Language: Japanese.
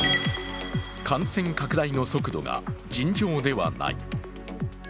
感染拡大の速度が尋常ではない。